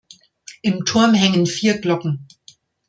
Im Turm hängen vier Glocken.